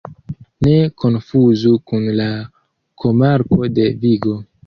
Ne konfuzu kun la komarko de Vigo.